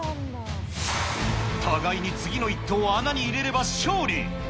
互いに次の一投を穴に入れれば勝利。